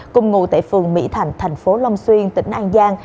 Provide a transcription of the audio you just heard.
cùng ngụ tại phường mỹ thạnh thành phố long xuyên tỉnh an giang